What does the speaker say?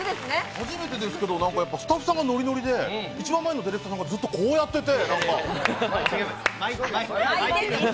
初めてですけれど、スタッフさんがノリノリで一番前のディレクターさんがずっと、こうやってて。